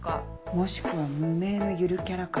もしくは無名のゆるキャラ感。